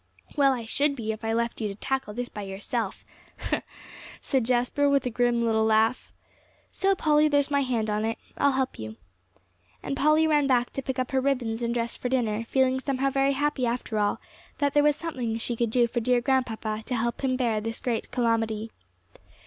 "Well, I should be if I left you to tackle this by yourself," said Jasper, with a grim little laugh. "So Polly, there's my hand on it. I'll help you." And Polly ran back to pick up her ribbons and dress for dinner, feeling somehow very happy after all, that there was something she could do for dear Grandpapa to help him bear this great calamity.